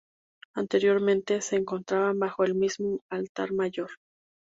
Anteriormente, se encontraban bajo el mismo altar mayor.